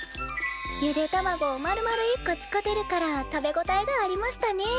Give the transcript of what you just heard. ゆで卵をまるまる１個使てるから食べ応えがありましたね。